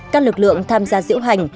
các lực lượng tham gia diễu hành